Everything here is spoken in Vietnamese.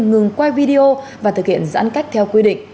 ngừng quay video và thực hiện giãn cách theo quy định